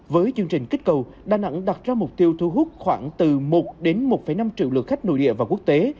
với chương trình kích cầu đà nẵng đặt ra mục tiêu thu hút khoảng từ một đến một năm triệu lượt khách nội địa và quốc tế